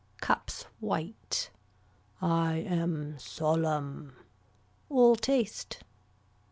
Cups white. I am solemn. All taste.